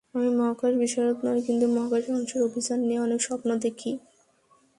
আমি মহাকাশবিশারদ নই, কিন্তু মহাকাশে মানুষের অভিযান নিয়ে অনেক স্বপ্ন দেখি।